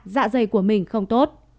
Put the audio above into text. dạ dây của mình không tốt